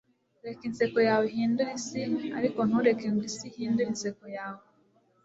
reka inseko yawe ihindure isi ariko ntureke ngo isi ihindure inseko yawe